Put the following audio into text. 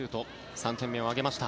３点目を挙げました。